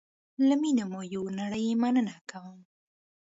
له میني مو یوه نړی مننه کوم